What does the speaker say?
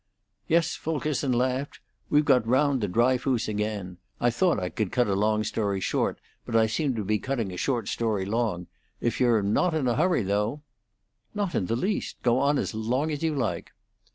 "Yes," Fulkerson laughed. "We've got round to Dryfoos again. I thought I could cut a long story short, but I seem to be cutting a short story long. If you're not in a hurry, though " "Not in the least. Go on as long as you like."